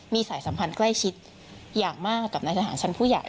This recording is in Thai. มีสายสัมพันธ์ใกล้ชิดอย่างมากกับนายทหารชั้นผู้ใหญ่